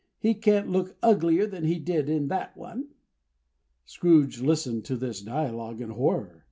He can't look uglier than he did in that one." Scrooge listened to this dialogue in horror.